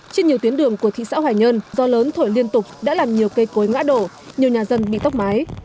trên nhiều tuyến đường của thị xã hoài nhân gió lớn thổi liên tục đã làm nhiều cây cối ngã đổ nhiều nhà dân bị tóc mái